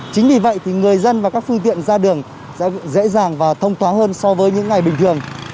chính vì vậy thì người dân và các phương tiện ra đường sẽ dễ dàng và thông thoáng hơn so với những ngày bình thường